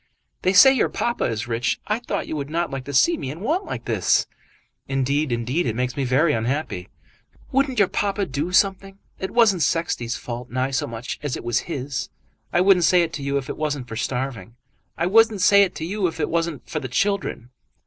"They say your papa is rich. I thought you would not like to see me in want like this." "Indeed, indeed, it makes me very unhappy." "Wouldn't your papa do something? It wasn't Sexty's fault nigh so much as it was his. I wouldn't say it to you if it wasn't for starving. I wouldn't say it to you if it wasn't for the children.